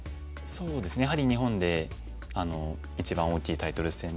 そうですねやはり日本で一番大きいタイトル戦ですので。